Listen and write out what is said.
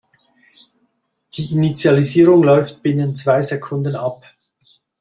Die Initialisierung läuft binnen zwei Sekunden ab.